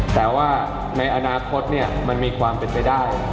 แต่ว่าในอนาคตมันมีความเป็นไปได้